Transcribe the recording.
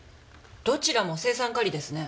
どちらも青酸カリですね。